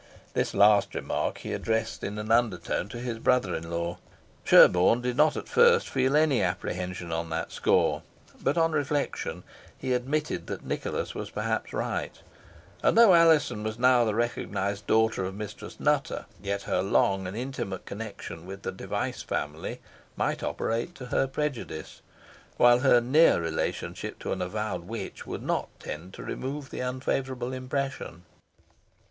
This last remark he addressed in an under tone to his brother in law. Sherborne did not at first feel any apprehension on that score, but, on reflection, he admitted that Nicholas was perhaps right; and though Alizon was now the recognised daughter of Mistress Nutter, yet her long and intimate connection with the Device family might operate to her prejudice, while her near relationship to an avowed witch would not tend to remove the unfavourable impression.